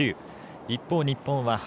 一方、日本は８。